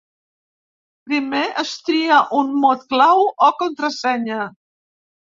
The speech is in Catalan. Primer es tria un mot clau, o contrasenya.